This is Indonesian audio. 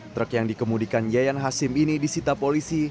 truk yang dikemudikan yayan hasim ini disita polisi